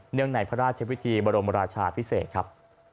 เนื่องในพระราชวิทธิบรมราชาพิเศษครับ